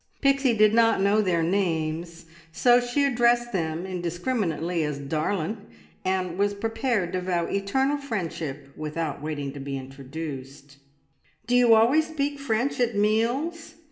Pixie did not know their names, so she addressed them indiscriminately as "darlin'," and was prepared to vow eternal friendship without waiting to be introduced. "Do you always speak French at meals?"